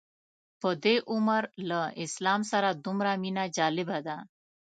په دې عمر له اسلام سره دومره مینه جالبه ده.